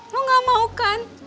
lo gak mau kan